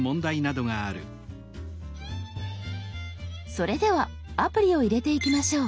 それではアプリを入れていきましょう。